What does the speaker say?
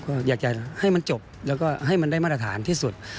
ก็อยากจะให้มันจบแล้วก็ให้มันได้มาตรฐานที่สุด